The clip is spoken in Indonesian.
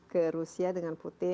ke rusia dengan putin